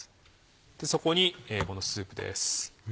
そこにこのスープです。